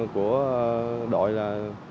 của đội là